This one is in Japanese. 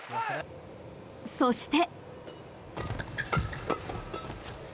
そして。